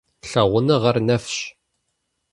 Лъагъуныгъэр нэфщ.